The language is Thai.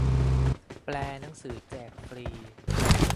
แปลหนังสือแจกฟรี